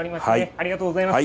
ありがとうございます。